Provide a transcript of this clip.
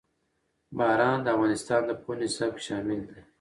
باران د افغانستان د پوهنې نصاب کې شامل دي.